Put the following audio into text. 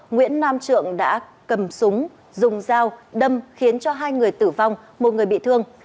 nguyễn nam trượng đã cầm súng dùng dao đâm khiến hai người tử vong một người bị thương